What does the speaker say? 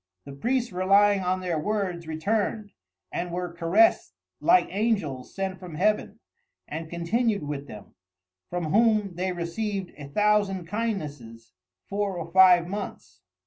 The Priests relying on their words, returned, and were caress'd like Angels sent from Heaven; and continued with them, (from whom they received a Thousand kindnesses) four or five months.